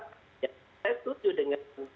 saya setuju dengan